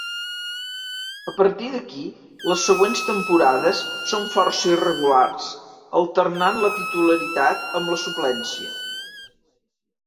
A partir d'ací, les següents temporades són força irregulars, alternant la titularitat amb la suplència.